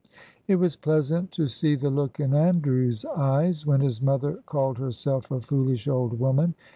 It was pleasant to see the look in Andrew's eyes when his mother called herself a foolish old woman.